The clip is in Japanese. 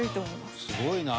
すごいな。